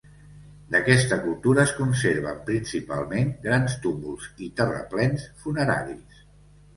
D'aquesta cultura es conserven, principalment, grans túmuls i terraplens funeraris.